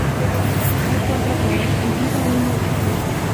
Hay cuatro coros, incluso uno a cappella.